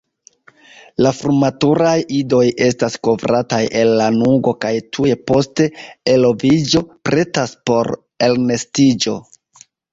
La frumaturaj idoj estas kovrataj el lanugo kaj tuj post eloviĝo pretas por elnestiĝo.